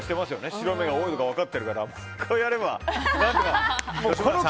白目が多いの分かってるからこうやれば何とか。